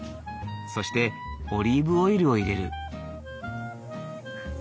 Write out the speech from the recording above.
そしてオリーブオイルを入れる。